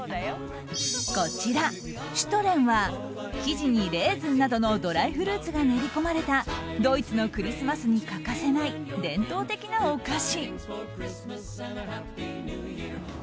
こちら、シュトレンは生地にレーズンなどのドライフルーツが練り込まれたドイツのクリスマスに欠かせない伝統的なお菓子。